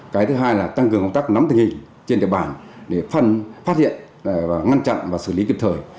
cái thứ hai là tăng cường công tác nắm tình hình trên địa bàn để phân phát hiện và ngăn chặn và xử lý kịp thời